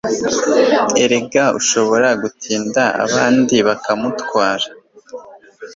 erega ushobora gutinda abandi bakamutwara